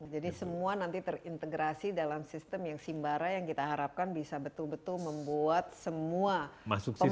jadi semua nanti terintegrasi dalam sistem simbara yang kita harapkan bisa betul betul membuat semua pemasukan